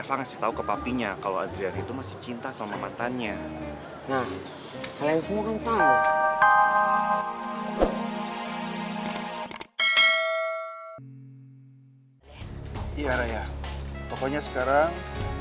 jangan memikirkan hal yang lain selain pelajaran